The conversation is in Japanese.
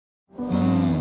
うん。